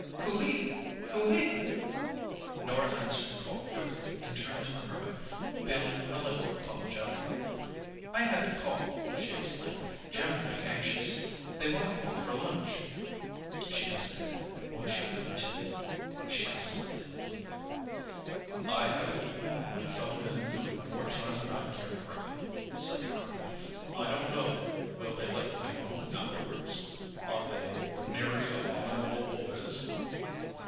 "Coo ee! Coo ee!" Norah answered the call quickly and turned to the Hermit, feeling a little apologetic. "I had to call," she explained—"Jim would be anxious. They want me for lunch." She hesitated. "Won't you come too?" she asked timidly. "I haven't eaten with my fellow men for more time than I'd care to reckon," said the Hermit. "I don't know—will they let me alone afterwards? Are they ordinary abominable boys?"